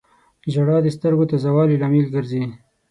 • ژړا د سترګو تازه والي لامل ګرځي.